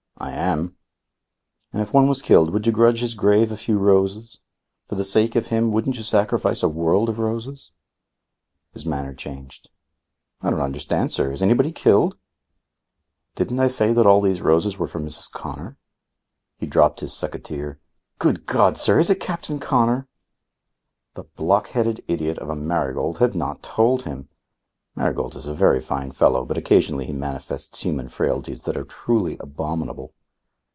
"I am." "And if one was killed, would you grudge his grave a few roses? For the sake of him wouldn't you sacrifice a world of roses?" His manner changed. "I don't understand, sir. Is anybody killed?" "Didn't I say that all these roses were for Mrs. Connor?" He dropped his secateur. "Good God, sir! Is it Captain Connor?" The block headed idiot of a Marigold had not told him! Marigold is a very fine fellow, but occasionally he manifests human frailties that are truly abominable.